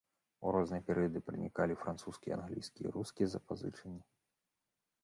У розныя перыяды пранікалі французскія, англійскія і рускія запазычанні.